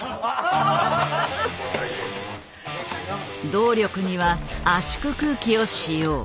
動力には圧縮空気を使用。